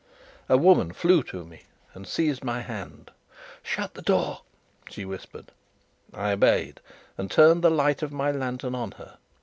A woman flew to me and seized my hand. "Shut the door," she whispered. I obeyed and turned the light of my lantern on her.